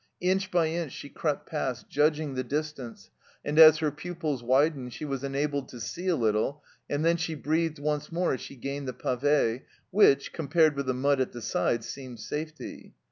Inch by inch she crept A HIDEOUS NIGHT DRIVE 101 past, judging the distance, and as her pupils widened she was enabled to see a little, and then she breathed once more as she gained the pave, which, compared with the mud at the side, seemed safety.